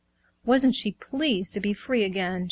Wasn't she pleased to be free again!